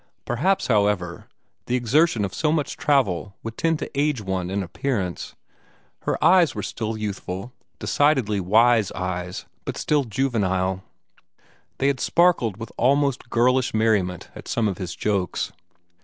Perhaps, however, the exertion of so much travel would tend to age one in appearance. Her eyes were still youthful decidedly wise eyes, but still juvenile. They had sparkled with almost girlish merriment at some of his jokes.